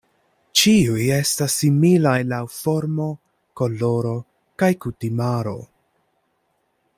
Ĉiuj estas similaj laŭ formo, koloro kaj kutimaro.